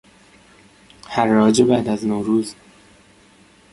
حراج بعد از نوروز